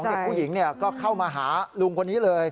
ตีวิ่งยังไง